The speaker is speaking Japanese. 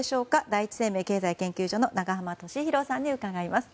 第一生命経済研究所の永濱利廣さんに伺います。